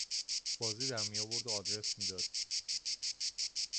بازی در می آورد و آدرس می داد